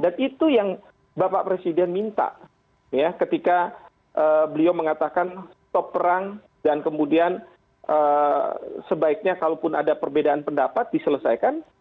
dan itu yang bapak presiden minta ketika beliau mengatakan stop perang dan kemudian sebaiknya kalaupun ada perbedaan pendapat diselesaikan